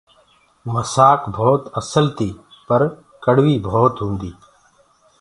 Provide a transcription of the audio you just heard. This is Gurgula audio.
موسآ ڀوت اسل تي پر ڪڙويٚ بي ڀوت هوندي۔